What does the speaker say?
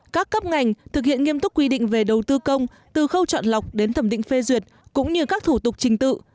các cấp ngành thực hiện nghiêm túc quy định về đầu tư công từ khâu chọn lọc đến thẩm định phê duyệt cũng như các thủ tục trình tự